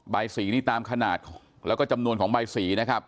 ใบสีนี่ตามขนาดแล้วก็จำนวนของใบสีนะครับ